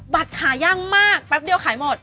ขาย่างมากแป๊บเดียวขายหมด